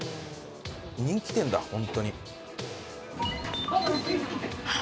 人気店だ本当に。